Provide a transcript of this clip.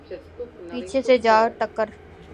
پیچھے سے جا ٹکر